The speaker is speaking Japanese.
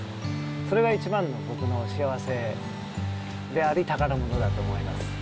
それが一番の僕の幸せであり、宝物だと思います。